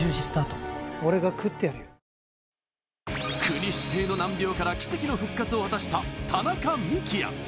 国指定の難病から奇跡の復活を果たした田中幹也。